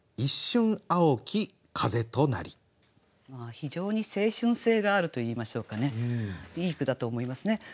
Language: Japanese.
非常に青春性があるといいましょうかねいい句だと思いますね。